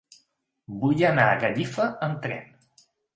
Vull anar a Gallifa amb tren.